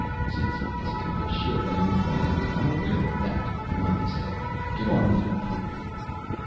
"Since this is my ship and I'm flying it I'm aware of that," Mikah said. "Get on with your proof."